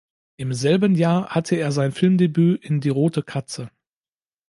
Im selben Jahr hatte er sein Filmdebüt in "Die rote Katze".